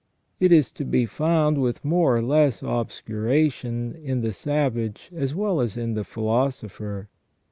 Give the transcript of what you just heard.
It is to be found, with more or less obscuration, in the savage as well as in the philosopher.